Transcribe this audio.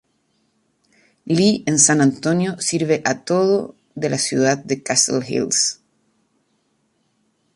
Lee en San Antonio sirve a todo de la ciudad de Castle Hills.